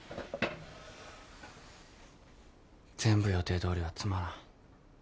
全部予定どおりはつまらん。